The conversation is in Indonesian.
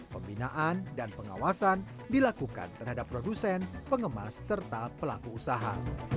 pembinaan dan pengawasan dilakukan terhadap produsen pengemas serta pelaku usaha